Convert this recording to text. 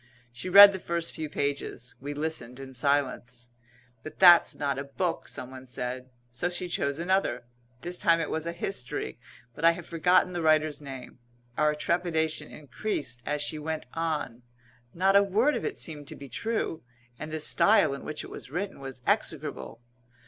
She read the first few pages. We listened in silence. "But that's not a book," someone said. So she chose another. This time it was a history, but I have forgotten the writer's name. Our trepidation increased as she went on. Not a word of it seemed to be true, and the style in which it was written was execrable.